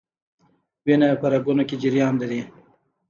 وینه په رګونو کې جریان لري